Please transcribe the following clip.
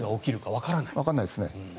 わからないですね。